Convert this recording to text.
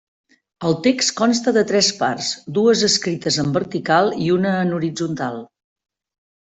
El text consta de tres parts, dues escrites en vertical i una en horitzontal.